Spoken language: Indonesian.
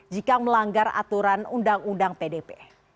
jika melanggar aturan undang undang pdp